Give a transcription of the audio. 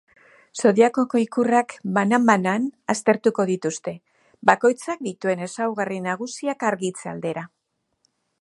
Zodiakoko ikurrak banan-banan aztertuko dituze, bakoitzak dituen ezaugarri nagusiak argitze aldera.